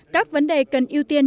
các vấn đề cần ưu tiên